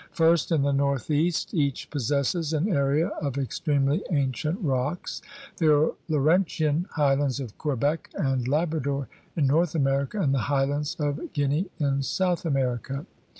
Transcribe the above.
First, in the northeast each possesses an area of extremely an cient rocks, the Laurentian highlands of Quebec and Labrador in North iVmerica and the highlands of Guiana in South America.